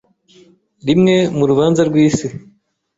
rimwe mu rubanza rw'isi